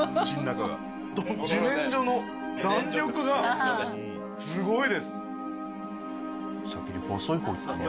自然薯の弾力がすごいです。